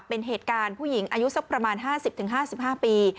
เป็นเหตุการณ์ผู้หญิงอายุสักประมาณ๕๐๕๕ปี